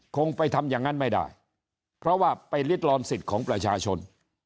คงไปทำอย่างนั้นไม่ได้เพราะว่าไปริดรอนสิทธิ์ของประชาชน